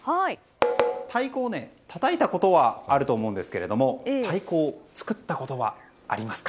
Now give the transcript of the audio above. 太鼓をたたいたことはあると思いますが太鼓を作ったことはありますか？